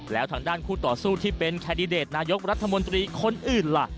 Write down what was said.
แล้วทางด้านคู่ต่อสู้ที่เป็นแคนดิเดตนายกรัฐมนตรีคนอื่นล่ะ